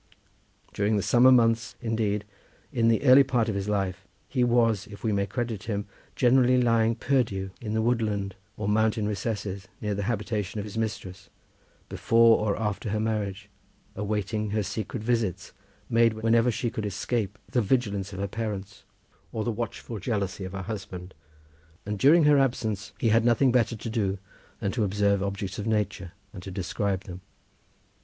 During the summer months, indeed, in the early part of his life, he was, if we may credit him, generally lying perdue in the woodland or mountain recesses near the habitation of his mistress, before or after her marriage, awaiting her secret visits, made whenever she could escape the vigilance of her parents, or the watchful jealousy of her husband, and during her absence he had nothing better to do than to observe objects of nature and describe them.